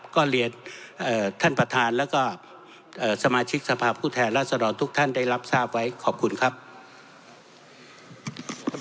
ก็เรียนท่านประธานแล้วก็สมาชิกสภาพผู้แทนรัศดรทุกท่านได้รับทราบไว้ขอบคุณครับ